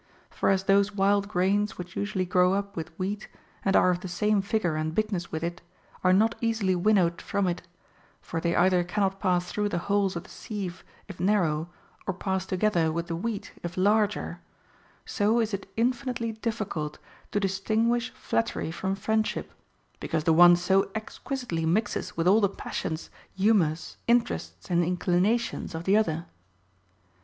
For as those wild grains which usually grow up with wheat, and are of the same figure and big ness with it, are not easily winnowed from it, — for they either cannot pass through the holes of the sieve, if nar row, or pass together with the wheat, if larger, — so is it infinitely difficult to distinguish flattery from friendship, because the one so exquisitely mixes with all the passions, humors, interests, and inclinations of the other.